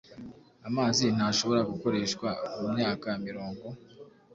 amazi ntashobora gukoreshwa mumyaka mirongo,